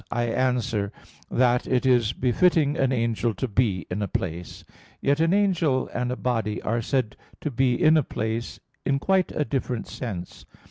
I answer that, It is befitting an angel to be in a place; yet an angel and a body are said to be in a place in quite a different sense.